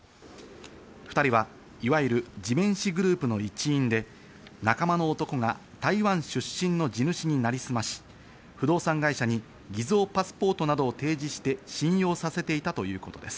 ２人はいわゆる地面師グループの一員で、仲間の男が台湾出身の地主に成りすまし不動産会社に偽造パスポートなどを提示して信用させていたということです。